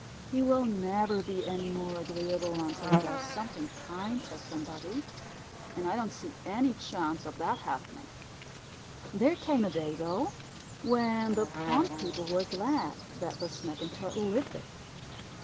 He will never be any more agreeable until he does something kind for somebody, and I don't see any chance of that happening." There came a day, though, when the pond people were glad that the Snapping Turtle lived there.